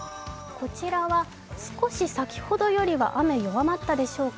こちらは少し先ほどよりは雨弱まったでしょうか。